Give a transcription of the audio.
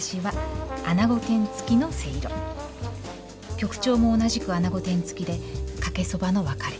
局長も同じく穴子天付きでかけ蕎麦の分かれ